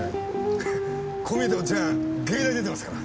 こう見えてもおっちゃん芸大出てますから。